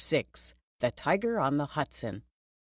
bicycle. THE TIGER ON THE HUDSON.